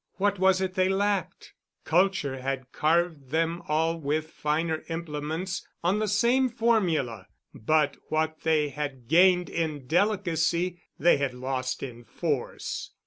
What was it they lacked? Culture had carved them all with finer implements on the same formula, but what they had gained in delicacy they had lost in force.